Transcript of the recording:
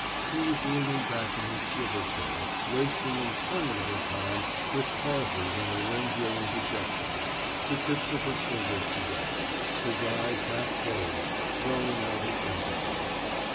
He was leaning back in his swivel chair, wasting interminable time with pauses and laryngeal interjections, the tips of his fingers together, his eyes half closed, droning out his sentences.